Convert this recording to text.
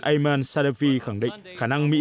ayman sadefi khẳng định khả năng mỹ